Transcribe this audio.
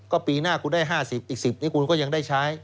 ก็ปีหน้าคุณได้๕๐อีก๑๐นี่คุณก็ยังได้ใช้